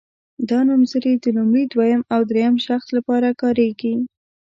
دا نومځري د لومړي دویم او دریم شخص لپاره کاریږي.